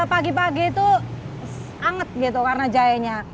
pagi pagi itu anget gitu karena jahenya